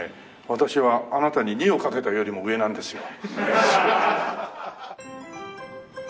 私はあなたに２をかけたよりも上なんですよ。